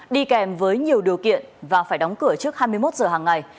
đi kèm với nhiều điều kiện và phải đóng cửa trước hai mươi một giờ hàng ngày